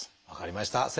分かりました。